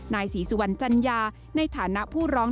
นายศรีสุวรรณจัญญาในฐานะผู้ร้อง